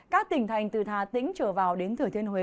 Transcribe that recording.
các tỉnh thành từ thà tĩnh trở vào đến thử thiên huế